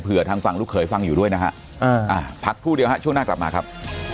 ทางฝั่งลูกเขยฟังอยู่ด้วยนะฮะพักครู่เดียวฮะช่วงหน้ากลับมาครับ